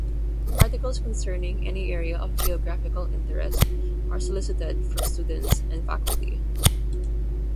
Articles concerning any area of geographical interest are solicited from students and faculty.